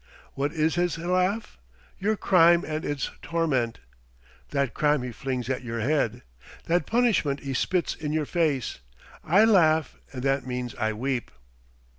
What is his laugh? Your crime and his torment! That crime he flings at your head! That punishment he spits in your face! I laugh, and that means I weep!"